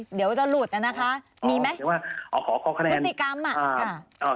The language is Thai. เดี๋ยวจะหลุดน่ะนะคะมีไหมอ๋อเหมือนว่าอ๋อขอขอคะแนนวิธีกรรมอ่ะอ่า